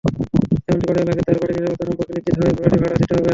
তেমনি বাড়িওয়ালাকেও তাঁর বাড়ির নিরাপত্তা সম্পর্কে নিশ্চিত হয়েই বাড়িভাড়া দিতে হবে।